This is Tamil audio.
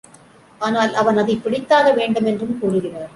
ஆனால் அவன் அதைப் பிடித்தாக வேண்டும் என்றும் கூறுகிறார்.